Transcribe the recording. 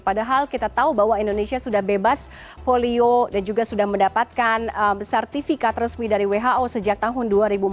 padahal kita tahu bahwa indonesia sudah bebas polio dan juga sudah mendapatkan sertifikat resmi dari who sejak tahun dua ribu empat belas